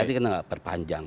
jadi kita enggak perpanjang